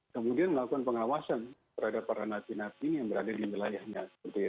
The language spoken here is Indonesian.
kemudian melakukan pengawasan terhadap para napi napi yang berada di wilayahnya